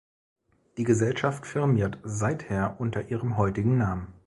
Die Gesellschaft firmiert seither unter ihrem heutigen Namen.